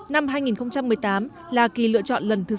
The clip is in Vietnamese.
năm hai nghìn một mươi tám là kỳ lựa chọn lần thứ sáu